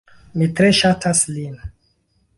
Mi tre ŝatas lin...